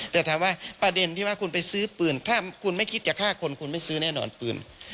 แต่ถามว่าประเด็นที่ว่าคุณไปซื้อปืนถ้าคุณไม่คิดจะฆ่าคนคุณไม่ซื้อแน่นอนปืน